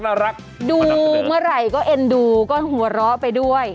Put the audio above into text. รักดูเมื่อไหร่ก็เอ็นดูก็หัวเราะไปด้วย